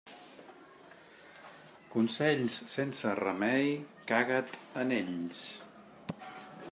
Consells sense remei, caga't en ells.